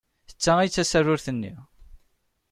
D ta ay d tasarut-nni.